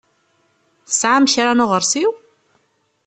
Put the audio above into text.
Tesɛam kra n uɣeṛsiw?